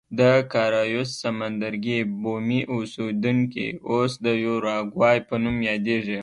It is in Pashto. د کارایوس سمندرګي بومي اوسېدونکي اوس د یوروګوای په نوم یادېږي.